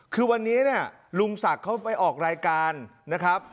คือวันนี้ลุงสักเข้าไปออกรายการนะครับ